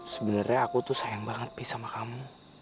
sebenernya aku tuh sayang banget pisah sama kamu